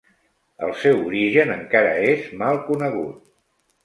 El seu origen encara és mal conegut.